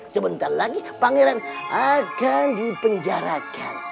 sebentar lagi pangeran akan dipenjarakan